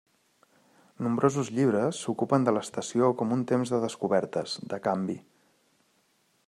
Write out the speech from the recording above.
Nombrosos llibres s'ocupen de l'estació com un temps de descobertes, de canvi.